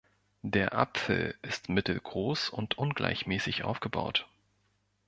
Der Apfel ist mittelgroß und ungleichmäßig aufgebaut.